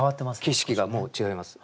景色がもう違います。